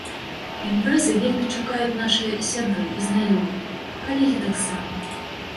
Імпрэзы вельмі чакаюць нашы сябры і знаёмыя, калегі таксама.